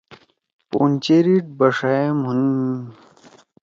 پون چیریِریٹ بݜائے مُھن م